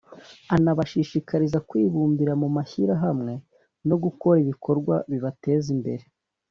anabashishikariza kwibumbira mu mashyirahamwe no gukora ibikorwa bibateza imbere